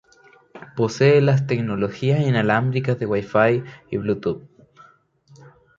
Posee las tecnologías inalámbricas de Wi-Fi y Bluetooth.